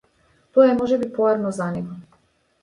Тоа е можеби поарно за него.